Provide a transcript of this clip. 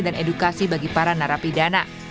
dan edukasi bagi para narapidana